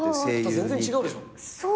また全然違うでしょ。